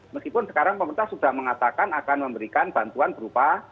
meskipun sekarang pemerintah sudah mengatakan akan memberikan bantuan berupa